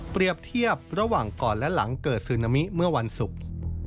เทียบระหว่างก่อนและหลังเกิดซึนามิเมื่อวันศุกร์